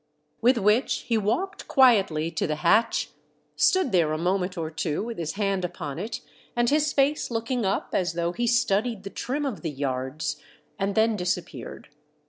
With which he walked quietly to the hatch, stood there a moment or two with his hand upon it and his face looking up as though he studied the trim of the yards, and then disappeared.